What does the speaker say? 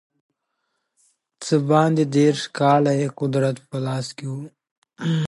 څه باندې دېرش کاله یې قدرت په لاس کې وو.